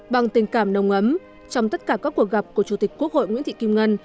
bằng tình cảm nồng ấm trong tất cả các cuộc gặp của chủ tịch quốc hội nguyễn thị kim ngân